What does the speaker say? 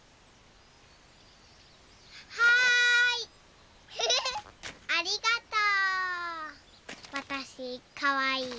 はい！